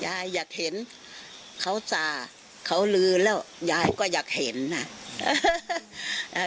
ยายอยากเห็นเขาสาเขาลือแล้วยายก็อยากเห็นน่ะเออ